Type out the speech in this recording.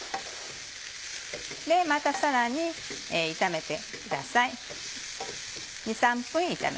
またさらに炒めてください。